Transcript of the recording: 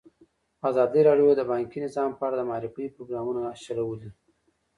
ازادي راډیو د بانکي نظام په اړه د معارفې پروګرامونه چلولي.